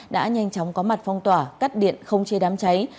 đã nhanh chóng có mặt phong tỏa cắt điện không chê đám cháy